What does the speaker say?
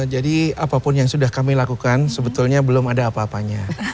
jadi apapun yang sudah kami lakukan sebetulnya belum ada apa apanya